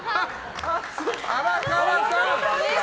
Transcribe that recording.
荒川さん！